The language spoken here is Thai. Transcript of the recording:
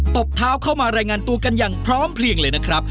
ตบเท้าเข้ามารายงานตัวกันอย่างพร้อมเพลียงเลยนะครับ